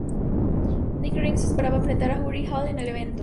Nick Ring se esperaba enfrentar a Uriah Hall en el evento.